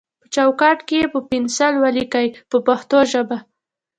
په چوکاټ کې یې په پنسل ولیکئ په پښتو ژبه.